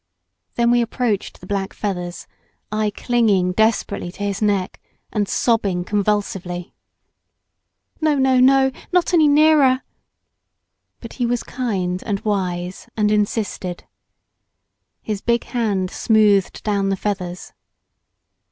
Then we approached the black feathers, I clinging desperately to his neck, and sobbing convulsively. "No no no not any nearer!" But he was kind and wise, and insisted. His big hand smoothed down the feathers.